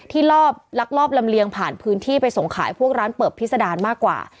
ลอบลำเลียงผ่านพื้นที่ไปส่งขายพวกร้านเปิบพิษดารมากกว่า